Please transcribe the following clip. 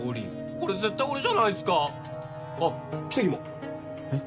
これ絶対俺じゃないですかあっキセキもえっ？